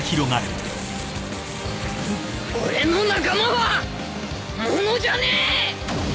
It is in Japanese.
俺の仲間は物じゃねえ！！